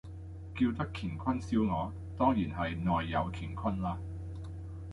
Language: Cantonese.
叫得乾坤燒鵝，當然係內有乾坤啦